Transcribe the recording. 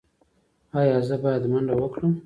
ایا زه باید منډه وکړم؟